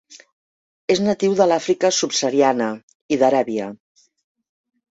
És natiu de l'Àfrica subsahariana i d'Aràbia.